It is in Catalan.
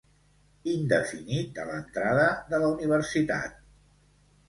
Indefinit a l'entrada de la universitat.